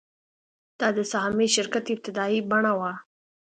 دا د سهامي شرکت ابتدايي بڼه وه